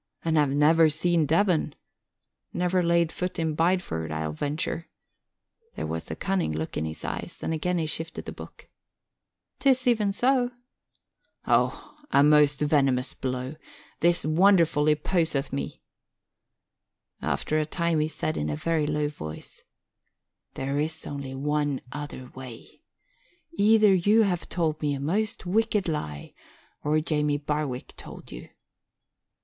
"And have never seen Devon? Never laid foot in Bideford, I'll venture." There was a cunning look in his eyes and again he shifted the book. "'Tis even so." "A most venomous blow! This wonderfully poseth me." After a time he said in a very low voice, "There is only one other way. Either you have told me a most wicked lie or Jamie Barwick told you."